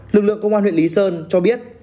lực lượng công an huyện lý sơn cho biết